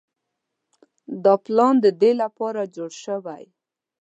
دا پلان د دې لپاره جوړ شوی.